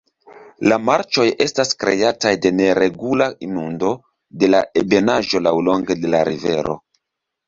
La marĉoj estas kreataj de neregula inundo de la ebenaĵo laŭlonge de la rivero.